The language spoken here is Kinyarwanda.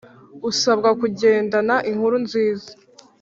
usabwa kugendana inkuru nziza